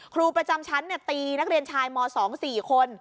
ครูประจำชั้นเนี่ยตีนักเรียนชายม๒สี่คน